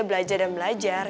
belajar dan belajar